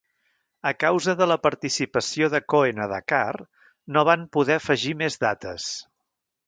A causa de la participació de Koen a Dakar, no van poder afegir més dates.